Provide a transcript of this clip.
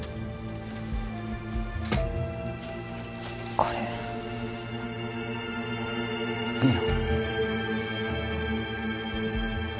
これいいの？